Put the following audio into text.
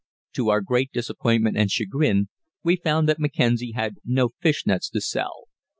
To our great disappointment and chagrin, we found that Mackenzie had no fish nets to sell.